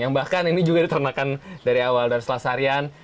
yang bahkan ini juga diternakan dari awal dari selasa harian